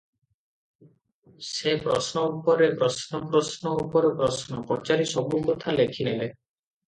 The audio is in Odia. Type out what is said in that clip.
ସେ ପ୍ରଶ୍ନ ଉପରେ ପ୍ରଶ୍ନ- ପ୍ରଶ୍ନ ଉପରେ ପ୍ରଶ୍ନ ପଚାରି ସବୁକଥା ଲେଖି ନେଲେ ।